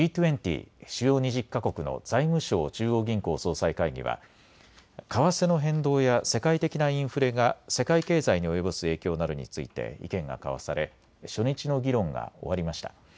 主要２０か国の財務相・中央銀行総裁会議は為替の変動や世界的なインフレが世界経済に及ぼす影響などについて意見が交わされ初日の議論が終わりました。